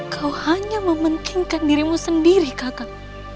kau hanya mementingkan dirimu sendiri kakak